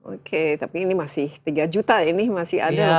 oke tapi ini masih tiga juta ini masih ada